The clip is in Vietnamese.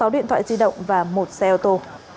sáu điện thoại di động và một xe ô tô